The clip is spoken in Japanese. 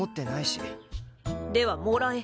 ではもらえ。